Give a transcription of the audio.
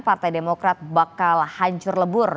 partai demokrat bakal hancur lebur